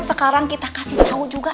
sekarang kita kasih tahu juga